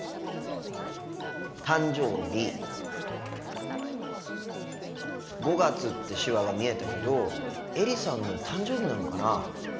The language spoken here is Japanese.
「誕生日」「５月」って手話が見えたけどエリさんの誕生日なのかな？